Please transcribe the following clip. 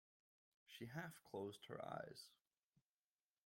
She half closed her eyes.